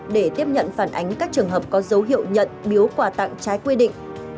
để tiếp nhận phản ánh các trường hợp có dấu hiệu nhận biếu quà tặng trái quy định